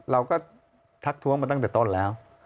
เราก็ทักท้วงมาตั้งแต่ต้นแล้ว